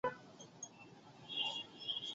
নিসার আলি বললেন, আপনি চলে যেতে চাচ্ছেন, চলে যাবেন।